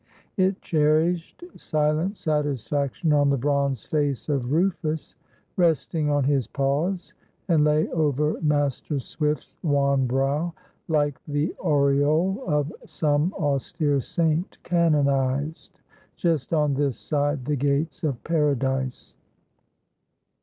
It cherished silent satisfaction on the bronze face of Rufus resting on his paws, and lay over Master Swift's wan brow like the aureole of some austere saint canonized, just on this side the gates of Paradise.